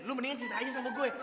lu mendingan cerita aja sama gue